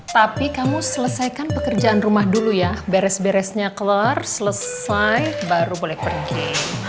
tapi kamu selesaikan pekerjaan rumah dulu ya beres beresnya keluar selesai baru boleh pergi